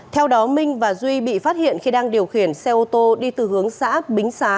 theo đó minh và duy bị phát hiện khi đang điều khiển xe ô tô đi từ hướng xã bính xá